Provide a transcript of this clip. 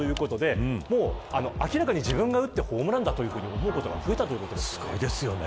これくらい確信歩きが増えたということで明らかに自分が打ってホームランだと思うことが増えたということです。